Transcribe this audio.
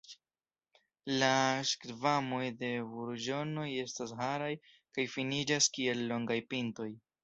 La skvamoj de burĝonoj estas haraj kaj finiĝas kiel longaj pintoj.